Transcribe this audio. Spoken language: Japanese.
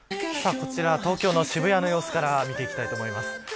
こちら、東京の渋谷の様子から見ていきたいと思います